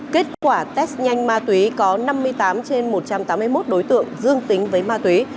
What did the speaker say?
kết quả test nhanh ma túy có năm mươi tám trên một trăm tám mươi một đối tượng dương tính với ma túy